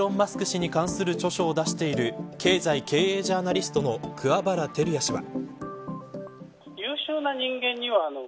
氏に関する著書を出している経済・経営ジャーナリストの桑原晃弥氏は。